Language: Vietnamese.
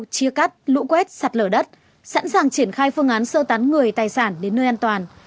chia cắt lũ quét sạt lở đất sẵn sàng triển khai phương án sơ tán người tài sản đến nơi an toàn